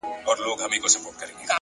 د عمل ژمنتیا نتیجه تضمینوي,